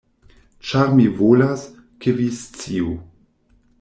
Ĉar mi volas, ke vi sciu.